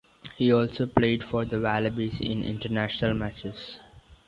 He also played for the Wallabies in international matches.